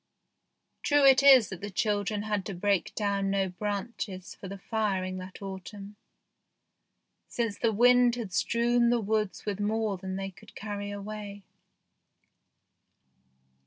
True it is that the children had to break down no branches for the firing that autumn, since the wind had strewn the woods with more than they could carry away.